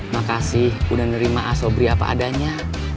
makasih udah nerima asobri apa adanya